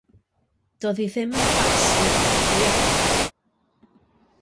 Doedd hi ddim yn bàs wych cofia.